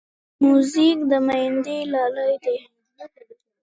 موزیک د میندې لالې دی.